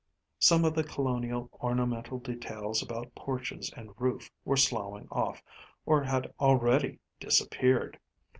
Some of the colonial ornamental details about porches and roof were sloughing off or had already disappeared.